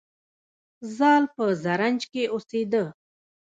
زال په زرنج کې اوسیده